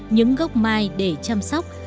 những gốc mai để chăm sóc